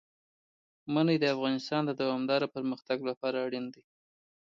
منی د افغانستان د دوامداره پرمختګ لپاره اړین دي.